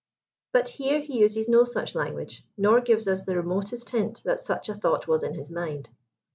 But here he uses no 141 such langu^e, nor gives us the remotest hint that such a thought was in his mind.